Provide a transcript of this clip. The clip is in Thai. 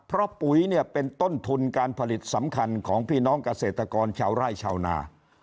เพราะปุ๋ยเนี่ยเป็นต้นทุนการผลิตสำคัญของพี่น้องเกษตรกรชาวไร่ชาวนา